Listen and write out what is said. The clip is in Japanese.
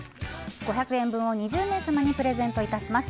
５００円分を２０名様にプレゼントいたします。